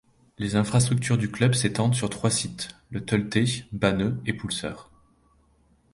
Les infrastructures du club s'étendent sur trois sites: le Tultay, Banneux et Poulseur.